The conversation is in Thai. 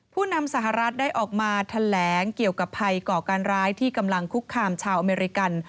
ผู้นำสหรัฐได้ออกมาแถลงเกี่ยวกับภัยก่อการร้ายที่กำลังคุกคามชาวอเมริกัน